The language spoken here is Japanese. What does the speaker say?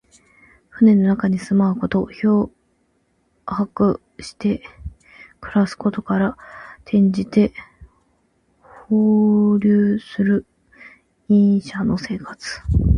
船の中に住まうこと。漂泊して暮らすことから、転じて、放浪する隠者の生活。